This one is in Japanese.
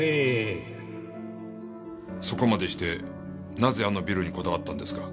そこまでしてなぜあのビルにこだわったんですか？